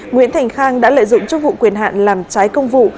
nguyễn thành khang đã lợi dụng chức vụ quyền hạn làm trái công vụ